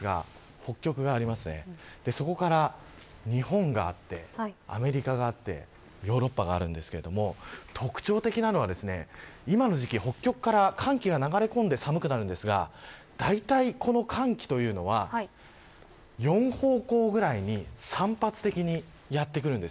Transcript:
北極から日本があってアメリカがあってヨーロッパがあるんですけど特徴的なのは今の時期北極から寒気が流れ込んで寒くなりますがだいたい、この寒気というのは４方向ぐらいに散発的にやってくるんです。